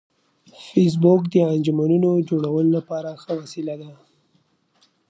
فېسبوک د انجمنونو جوړولو لپاره ښه وسیله ده